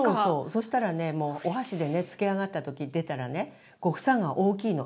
そしたらねもうお箸でね漬け上がった時出たらねこう房が大きいの。